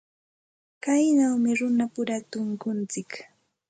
Kaynawmi runapura tunkuntsik.